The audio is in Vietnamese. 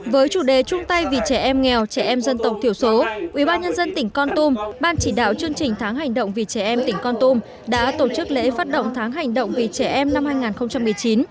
với chủ đề trung tây vì trẻ em nghèo trẻ em dân tộc thiểu số ubnd tỉnh con tum ban chỉ đạo chương trình tháng hành động vì trẻ em tỉnh con tum đã tổ chức lễ phát động tháng hành động vì trẻ em năm hai nghìn một mươi chín